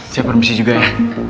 siap permisi juga ya